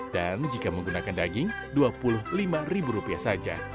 dan jika menggunakan daging rp dua puluh lima saja